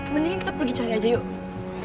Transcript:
mendingan kita pergi cari aja yuk